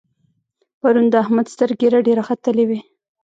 پرون د احمد سترګې رډې را ختلې وې.